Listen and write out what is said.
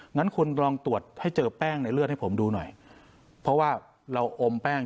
งั้นคุณลองตรวจให้เจอแป้งในเลือดให้ผมดูหน่อยเพราะว่าเราอมแป้ง